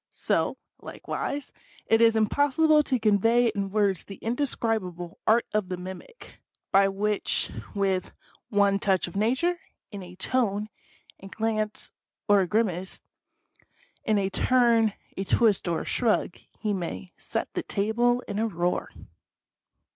So, likewise, it is impossible to convey in words the indescribable Art of 6 INTRODUCTION. the Mimic, by which, with " one touch of nature" in a tone, a glance or a grimace — in a turn, a twist or a shrug — he may " set the table in a roar."